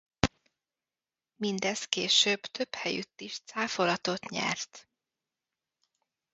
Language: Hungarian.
Mindez később több helyütt is cáfolatot nyert.